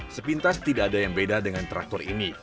sepintas tidak ada yang beda dengan traktor ini